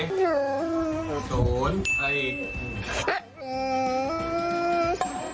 อะไรอีก